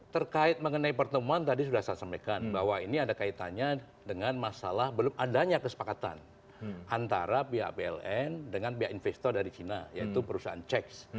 terkait mengenai pertemuan tadi sudah saya sampaikan bahwa ini ada kaitannya dengan masalah belum adanya kesepakatan antara pihak pln dengan pihak investor dari china yaitu perusahaan ceks